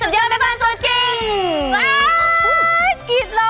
สดุดีมหาราชแห่งชาติไทยรัฐ